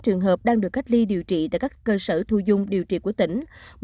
một mươi một năm trăm một mươi bảy trường hợp đang được cách ly điều trị tại các cơ sở thu dung điều trị của tỉnh